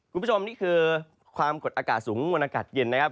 คุณผู้ชมนี่คือความกดอากาศสูงมวลอากาศเย็นนะครับ